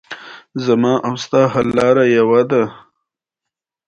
د سټیفن-بولټزمن قانون د وړانګو طاقت معلوموي.